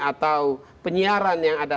atau penyiaran yang ada